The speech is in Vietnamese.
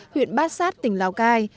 huyện bát sát tỉnh lào cai